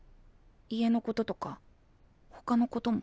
家のこととかほかのことも。